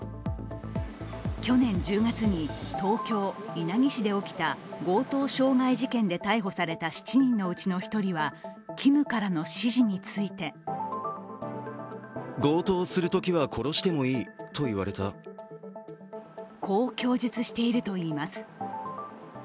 去年１０月に東京・稲城市で起きた強盗傷害事件で逮捕された７人のうちの１人はＫｉｍからの指示についてこう供述しているといいます。